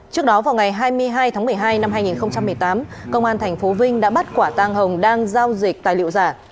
trước đó vào ngày hai mươi hai tháng một mươi hai năm hai nghìn một mươi tám công an tp vinh đã bắt quả tang hồng đang giao dịch tài liệu giả